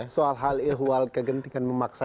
soal hal ihwal kegentingan memaksa